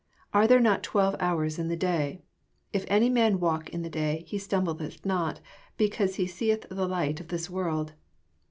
Are there not twelve hours in the day T If any man walk in the day, he stumbleth not, be cause he seeth the light of this world.